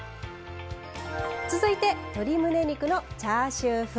続いて鶏むね肉のチャーシュー風。